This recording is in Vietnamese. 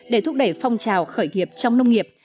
để thúc đẩy phong trào khởi nghiệp trong nông nghiệp